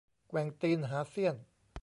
แกว่งตีนหาเสี้ยน